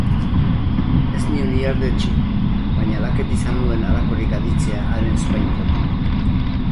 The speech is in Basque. Ez nion ihardetsi, baina laket izan nuen halakorik aditzea haren ezpainetatik.